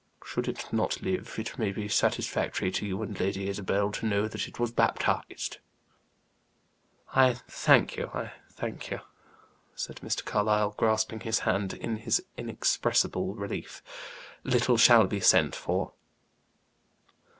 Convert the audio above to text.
Should it not live, it may be satisfactory to you and Lady Isabel to know that it was baptized." "I thank you I thank you," said Mr. Carlyle grasping his hand, in his inexpressible relief. "Little shall be sent for."